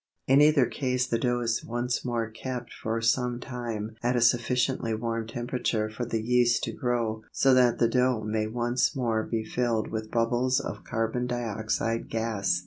In either case the dough is once more kept for some time at a sufficiently warm temperature for the yeast to grow so that the dough may once more be filled with bubbles of carbon dioxide gas.